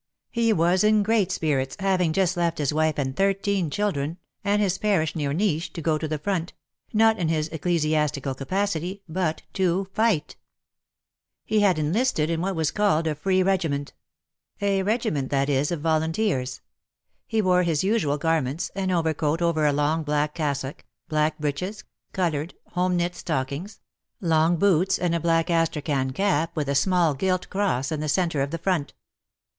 He was in great spirits, having just left his wife and thirteen children, and his parish near Nisch, to go to the front — not in his ecclesi astical capacity, but to fight. He had enlisted in what was called a free regiment — a regiment, •7 2 8 WAR AND WOMEN that is, of volunteers. He wore his usual garments, an overcoat over a long black cassock, black breeches, coloured, home knit stockings, long boots and a black astrachan cap with a small gilt cross in the centre of the front.